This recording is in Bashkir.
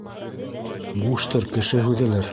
Буштыр, кеше һүҙелер...